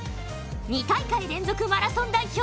２大会連続マラソン代表